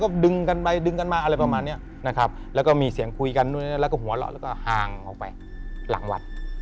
คุณคุณเข้าไปนอนนะ